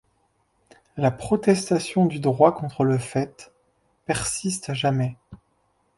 La protestation du droit contre le fait persiste à jamais.